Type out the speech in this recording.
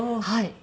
はい。